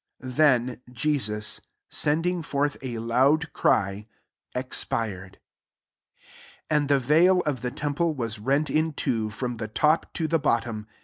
37 Then Jesus, sending forth a loud cry, expired. 38 And the veil of the temple was rent in two, from the top to the bottom.